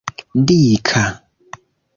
dika